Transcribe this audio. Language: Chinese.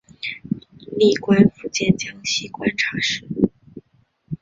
历官福建江西观察使。